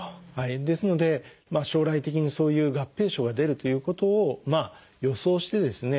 ですので将来的にそういう合併症が出るということを予想してですね